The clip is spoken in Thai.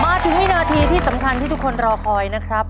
มาถึงวินาทีที่สำคัญที่ทุกคนรอคอยนะครับ